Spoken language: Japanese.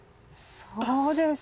そうですね。